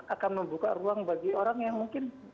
akan membuka ruang bagi orang yang mungkin